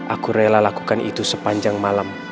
aku rela lakukan itu sepanjang malam